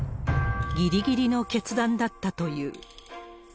ぎりぎりの決断だったという。